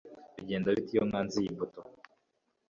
bigenda bite iyo nkanze iyi buto